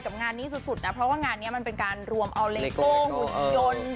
งานนี้สุดนะเพราะว่างานนี้มันเป็นการรวมเอาเลโก้หุ่นยนต์